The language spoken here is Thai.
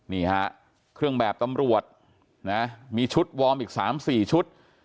นี่ฮะเครื่องแบบตำรวจนะมีชุดวอร์มอีก๓๔ชุด